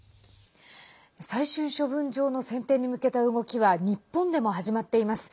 最終処分場の選定に向けた動きは日本でも始まっています。